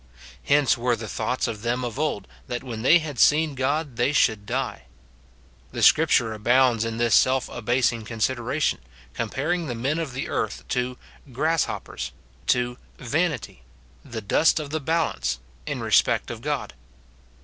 "* Hence were the thoughts of them of old, that when they had seen God they should die. The Scripture abounds in this self abasing consideration, comparing the men of the earth to "grasshoppers," to "vanity," the "dust of the * Job xxxvii. 22. SIN IN BELIEVERS. 9 261 balance," in respect of God.